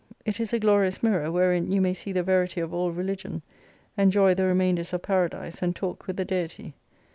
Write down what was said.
It is a glorious mirror wherein you may see the verity of all religion : enjoy the remainders of Paradise, and talk with the Deity.